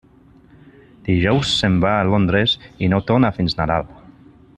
Dijous se'n va a Londres i no torna fins Nadal.